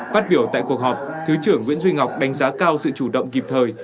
phát biểu tại cuộc họp thứ trưởng nguyễn duy ngọc đánh giá cao sự chủ động kịp thời